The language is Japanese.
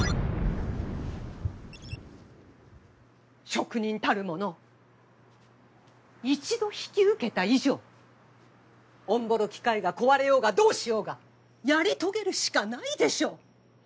職人たるもの一度引き受けた以上おんぼろ機械が壊れようがどうしようがやり遂げるしかないでしょう。